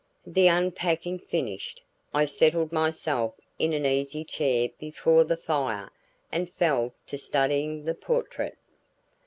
The unpacking finished, I settled myself in an easy chair before the fire and fell to studying the portrait.